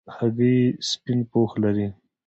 هګۍ سپینه پوښ لري.